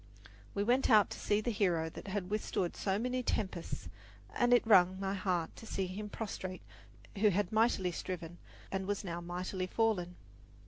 We went out to see the hero that had withstood so many tempests, and it wrung my heart to see him prostrate who had mightily striven and was now mightily fallen.